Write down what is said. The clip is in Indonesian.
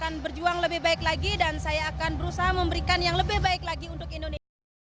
nenengah mengaku kecewa gagal meraih medali emas di hadapan publik sendiri